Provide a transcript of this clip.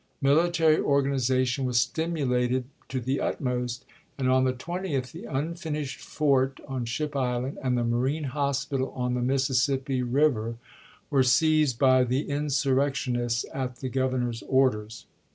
Military organization was stimulated to the utmost, and on the 20th the unfinished fort on Ship Island and the marine hospital on the Mississippi River were seized by the insurrection ists at the Governor's orders.